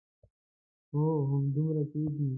هو همدومره کېږي.